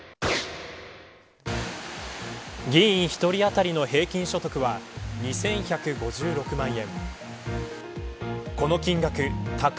議員１人当たりの平均所得は２１５６万円。